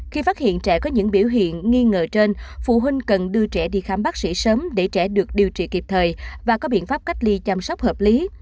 khi phát hiện trẻ có những biểu hiện nghi ngờ trên phụ huynh cần đưa trẻ đi khám bác sĩ sớm để trẻ được điều trị kịp thời và có biện pháp cách ly chăm sóc hợp lý